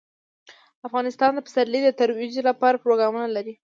افغانستان د پسرلی د ترویج لپاره پروګرامونه لري.